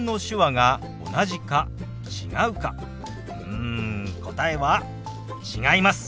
うん答えは違います。